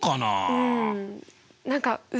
うん。